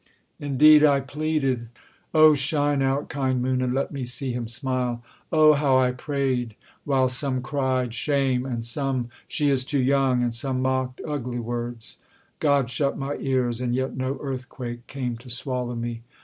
Indeed I pleaded! Oh, shine out, kind moon, And let me see him smile! Oh! how I prayed, While some cried 'Shame!' and some, 'She is too young!' And some mocked ugly words: God shut my ears. And yet no earthquake came to swallow me.